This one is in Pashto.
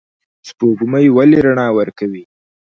سپوږمۍ ولې رڼا ورکوي؟